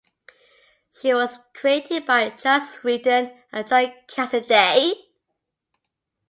She was created by Joss Whedon and John Cassaday.